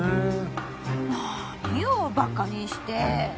何よバカにして！